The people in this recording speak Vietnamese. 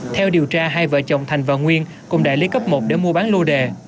theo điều tra hai vợ chồng thành và nguyên cùng đại lý cấp một để mua bán lô đề